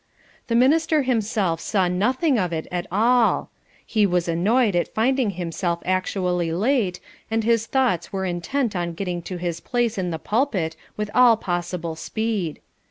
The minister himself saw nothing of it at all. He was annoyed at finding himself actually late, and his thoughts were intent on getting to his place in the pulpit with all possible speed.